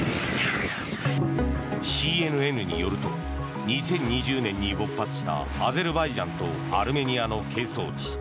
ＣＮＮによると２０２０年に勃発したアゼルバイジャンとアルメニアの係争地